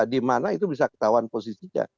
di mana itu bisa ketahuan posisinya